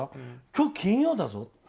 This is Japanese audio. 今日、金曜だぞ？